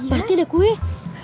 pasti ada kuih